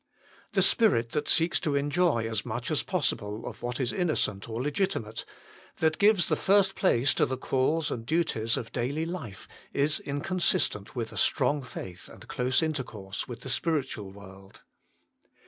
The spirit that seeks to enjoy as much as possible of what is innocent or legitimate, that gives the first place to the calls and duties of daily life, is inconsistent with a strong faith and close intercourse with the spiritual world.